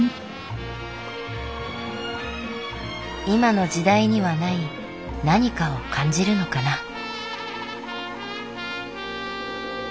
今の時代にはない何かを感じるのかな。